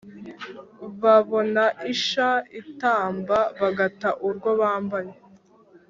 Babona isha itamba bagata urwo bambaye.